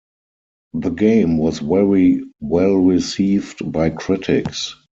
The game was very well received by critics.